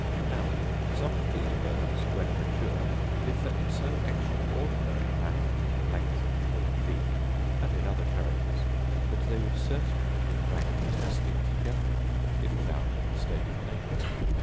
Now, some of these birds, when mature, differ in so extraordinary a manner in the length and form of beak, and in other characters, that they would certainly have been ranked as distinct genera if found in a state of nature.